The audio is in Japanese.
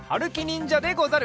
んじゃでござる。